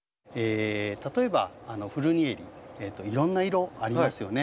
例えばフルニエリいろんな色ありますよね。